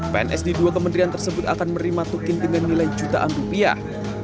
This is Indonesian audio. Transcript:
pns di dua kementerian tersebut akan menerima tukin dengan nilai jutaan rupiah